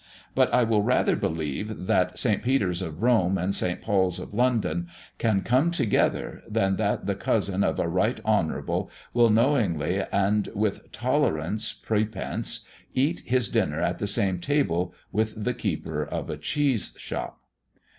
But I will rather believe that St. Peter's of Rome and St. Paul's of London can come together, than that the cousin of a Right Honourable will knowingly, and with tolerance prepense, eat his dinner at the same table with the keeper of a cheese shop.